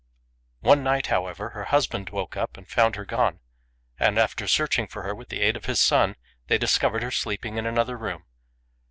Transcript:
One night, however, her husband woke up and found her gone; and after searching for her with the aid of his son, they discovered her sleeping in another room.